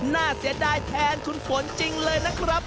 น่าเสียดายแทนคุณฝนจริงเลยนะครับ